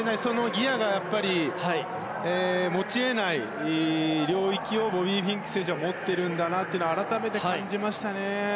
ギアが持ち得ない領域をボビー・フィンク選手は持ってるんだなというのを改めて感じましたね。